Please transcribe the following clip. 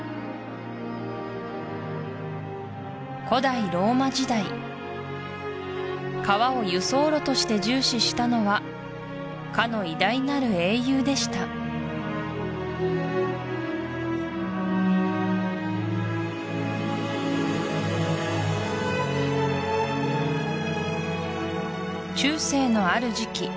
古代ローマ時代川を輸送路として重視したのはかの偉大なる英雄でした中世のある時期